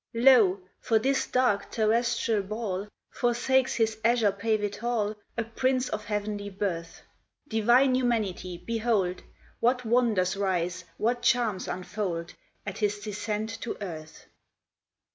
LO! for this dark terrestrial ball Forsakes his azure paved hall A prince of heav'nly birth! Divine Humanity behold, What wonders rise, what charms unfold At his descent to earth!